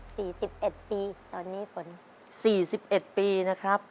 สิบเอ็ดปีตอนนี้ฝนสี่สิบเอ็ดปีนะครับ